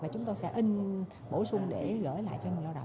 và chúng tôi sẽ in bổ sung để gửi lại